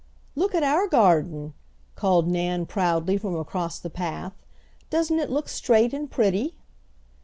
"Look at our garden!" called Nan proudly, from across the path. "Doesn't it look straight and pretty?"